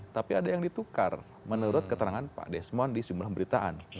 tapi ada yang ditukar menurut keterangan pak desmond di sejumlah beritaan